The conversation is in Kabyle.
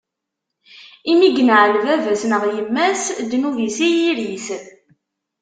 Imi i yenɛel baba-s neɣ yemma-s, ddnub-is i yiri-s.